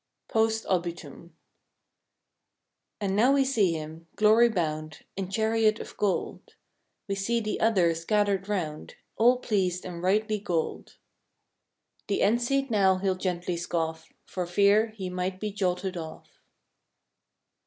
120 {Post obitum) And now we see him, glory bound In chariot of gold; We see the others gathered 'round ' All pleased and rightly goaled; The end seat now he'll gently scoff, For fear he might be jolted off.